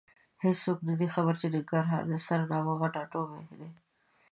هېڅوک نه دي خبر چې ننګرهار د ستر نابغه ټاټوبی دی.